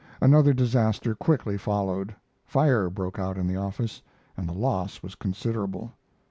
Another disaster quickly followed. Fire broke out in the office, and the loss was considerable.